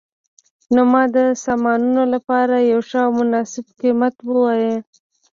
نو ما د سامانونو لپاره یو ښه او مناسب قیمت وواایه